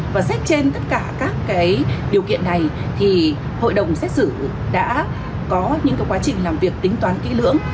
và xét trên tất cả các điều kiện này thì hội đồng xét xử đã có những quá trình làm việc tính toán kỹ lưỡng